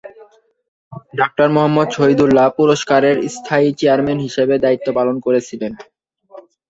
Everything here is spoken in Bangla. ডাক্তার মুহম্মদ শহীদুল্লাহ পুরস্কারের স্থায়ী চেয়ারম্যান হিসাবে দায়িত্ব পালন করেছিলেন।